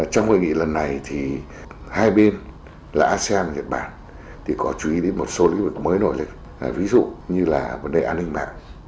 trong hội nghị lần này thì hai bên là asean nhật bản có chú ý đến một số lĩnh vực mới nổi lên ví dụ như là vấn đề an ninh mạng